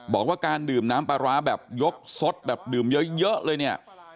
บอกว่าการดื่มน้ำปลาร้าแบบยกสดแบบดื่มเยอะเลยเนี่ย